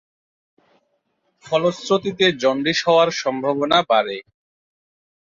ফলশ্রুতিতে জন্ডিস হওয়ার সম্ভাবনা বাড়ে।